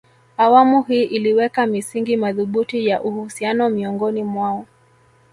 Awamu hii iliweka misingi madhubuti ya uhusiano miongoni mwao